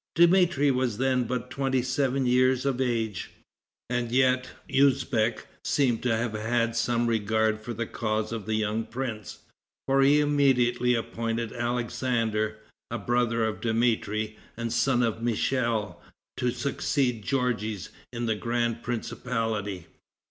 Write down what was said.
Dmitri was then but twenty seven years of age. And yet Usbeck seems to have had some regard for the cause of the young prince, for he immediately appointed Alexander, a brother of Dmitri, and son of Michel, to succeed Georges in the grand principality.